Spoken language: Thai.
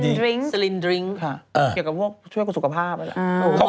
เกี่ยวกับพวกช่วยกับสุขภาพ